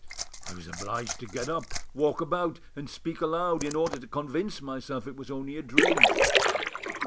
I was obliged to get up, walk about, and speak aloud, in order to convince myself it was only a dream.